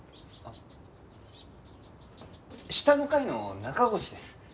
あっ下の階の中越です。